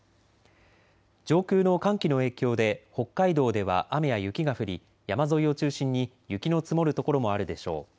上空の寒気の影響で北海道では雨や雪が降り山沿いを中心に雪の積もる所もあるでしょう。